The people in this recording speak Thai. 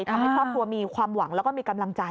ทำให้ครอบครัวมีความหวังแล้วก็มีกำลังใจ